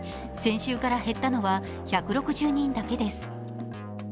先週から減ったのは１６０人だけです